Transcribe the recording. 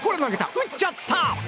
打っちゃった！